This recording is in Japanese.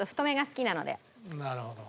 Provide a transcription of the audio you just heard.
なるほど。